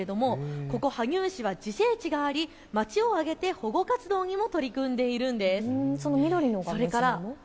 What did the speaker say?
ここ羽生市は自生地があり町を挙げて保護活動にも取り組んでいるんです。